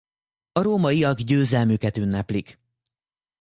A rómaiak győzelmüket ünneplik.